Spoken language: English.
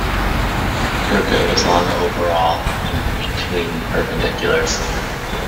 "Gurkha" was long overall and between perpendiculars.